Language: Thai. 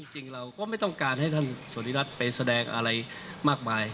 จริงเราก็ไม่ต้องการให้ท่านสวริรัติไปแสดงอะไรมากมาย